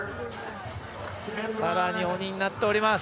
さらに鬼になっております。